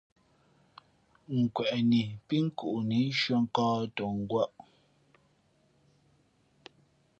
Kweꞌni pí nkuʼnǐ shʉᾱ nkᾱᾱ tα ngwᾱʼ.